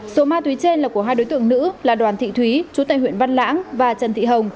số ma túy trên là của hai đối tượng nữ là đoàn thị thúy chú tại huyện văn lãng và trần thị hồng